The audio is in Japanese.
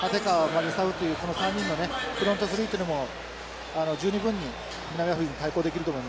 マレサウというこの３人のねフロントスリーというのも十二分に南アフリカに対抗できると思います。